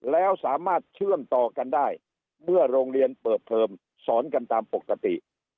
แล้วสามารถเชื่อมต่อกันได้เมื่อโรงเรียนเปิดเทอมสอนกันตามปกติ